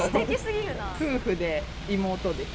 夫婦で、妹です。